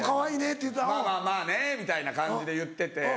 「まぁまぁまぁね」みたいな感じで言ってて。